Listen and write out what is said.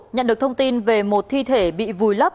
nhận được thông tin về một thi thể bị vùi lấp